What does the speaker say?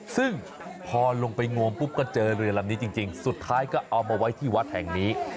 ซึ่งพอลงไปโงมปุ๊บก็เจอเรือลำนี้จริงสุดท้ายก็เอามาไว้ที่วัดแห่งนี้